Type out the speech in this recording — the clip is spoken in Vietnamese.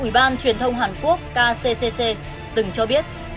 ủy ban truyền thông hàn quốc kcccc từng cho biết